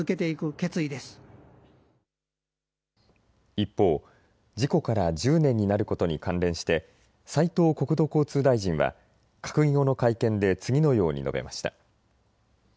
一方、事故から１０年になることに関連して斉藤国土交通大臣は閣議後の会見で次のように述べました。